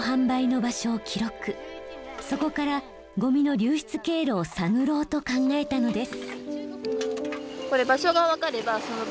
そこからゴミの流出経路を探ろうと考えたのです。